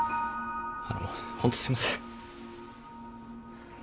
あのホントすいません。